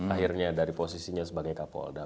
akhirnya dari posisinya sebagai kapolda